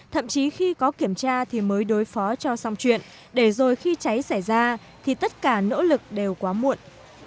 thậm chí khi có kiểm tra thì mới đối phó cho xong chuyện để rồi khi cháy xảy ra thì tất cả nỗ lực đều quá muộn